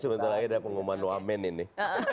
sebenarnya ada pengumuman wamen ini